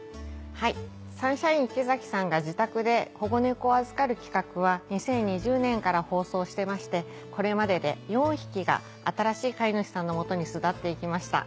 はいサンシャイン池崎さんが自宅で保護猫を預かる企画は２０２０年から放送してましてこれまでで４匹が新しい飼い主さんの元に巣立って行きました。